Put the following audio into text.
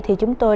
thì chúng tôi